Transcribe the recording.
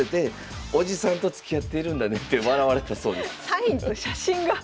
サインと写真が。